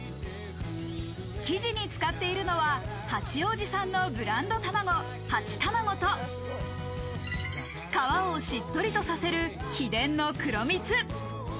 生地に使っているのは八王子産のブランド卵・八玉子と、皮をしっとりとさせる秘伝の黒蜜。